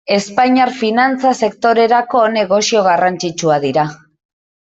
Espainiar finantza sektorerako negozio garrantzitsua dira.